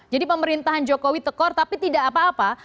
jadi pemerintahan jokowi tekor tapi tidak apa apa